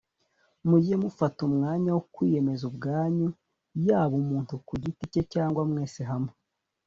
mujye mufata umwanya wo kwiyemeza ubwanyu yaba umuntu ku giti cye cyangwa mwese hamwe